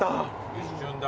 一瞬だ。